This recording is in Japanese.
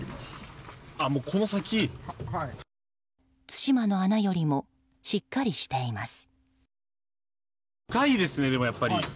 対馬の穴よりもしっかりしています。